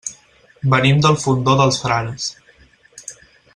Venim del Fondó dels Frares.